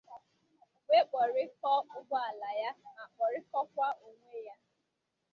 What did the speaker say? wee kpọrikọọ ụgbọala ya ma kpọrikọkwa onwe ya.